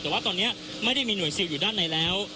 แต่ว่าตอนนี้ไม่ได้มีหน่วยซิลอยู่ด้านในแล้ว